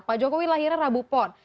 pak jokowi lahirnya rabu pon